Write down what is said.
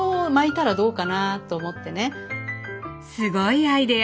すごいアイデア！